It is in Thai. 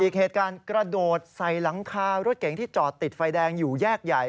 อีกเหตุการณ์กระโดดใส่หลังคารถเก๋งที่จอดติดไฟแดงอยู่แยกใหญ่